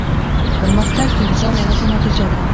پرمختګ د انسان د هڅو نتیجه ده.